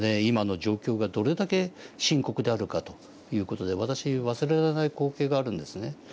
今の状況がどれだけ深刻であるかという事で私忘れられない光景があるんですね。